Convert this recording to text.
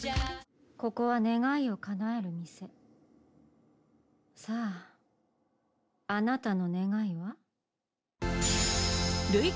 「ここは願いをかなえる店さああなたの願いは？」